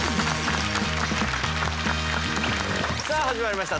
さあ始まりました